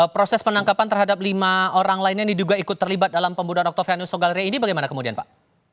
proses penangkapan terhadap lima orang lainnya yang diduga ikut terlibat dalam pembunuhan oktavianus sogalre ini bagaimana kemudian pak